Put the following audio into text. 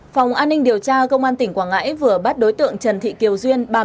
phòng an ninh điều tra công an tỉnh quảng ngãi vừa bắt đối tượng trần thị kiều duyên